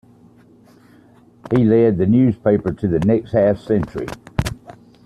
He led the newspaper for the next half century.